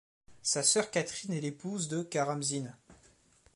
Sa sœur Catherine est l'épouse de Karamzine.